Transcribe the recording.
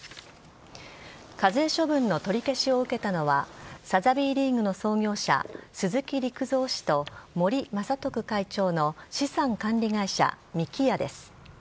課税処分の取り消しを受けたのはサザビーリーグの創業者鈴木陸三氏と森正督会長の資産管理会社三木家です。